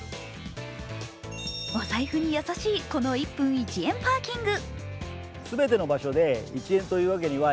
お財布に優しいこの１分１円パーキング。